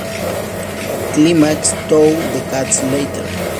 Climax, Two Decades Later.